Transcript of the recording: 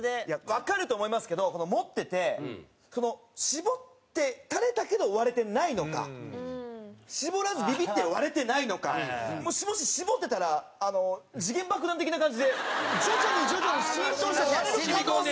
わかると思いますけど持ってて絞って垂れたけど割れてないのか絞らずビビって割れてないのかもし絞ってたら時限爆弾的な感じで徐々に徐々に浸透して割れる可能性。